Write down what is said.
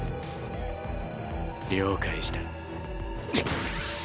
了解した。